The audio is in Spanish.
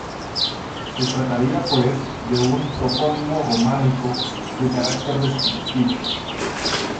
Se trataría, pues, de un topónimo románico de carácter descriptivo.